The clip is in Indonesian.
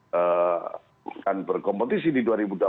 bukan berkompetisi di dua ribu dua puluh empat